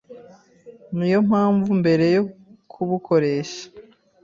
Niyo mpamvu mbere yo kubukoresha